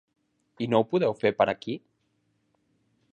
I no ho podeu fer per aquí?